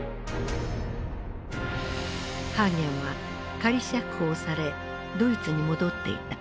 ハーゲンは仮釈放されドイツに戻っていた。